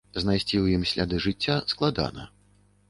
Знайсці ў ім сляды жыцця складана.